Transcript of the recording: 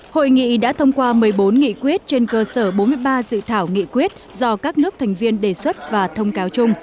hội nghị đã thông qua một mươi bốn nghị quyết trên cơ sở bốn mươi ba dự thảo nghị quyết do các nước thành viên đề xuất và thông cáo chung